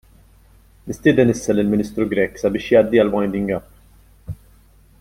Nistieden issa lill-Ministru Grech sabiex jgħaddi għall-winding - up.